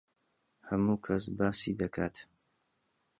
هەموو کەس باسی دەکات.